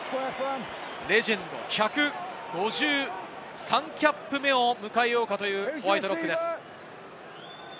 レジェンド、１５３キャップ目を迎えようかというホワイトロックです。